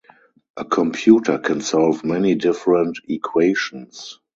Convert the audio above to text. A computer can solve many different equations.